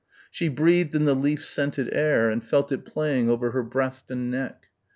She breathed in the leaf scented air and felt it playing over her breast and neck.